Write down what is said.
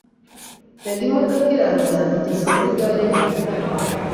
ntega imodoka iraza ingeza muri Gare i Butare,